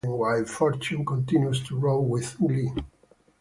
The guests stop laughing, while Fortune continues to roar with glee.